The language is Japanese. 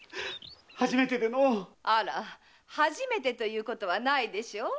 あら初めてということはないでしょう。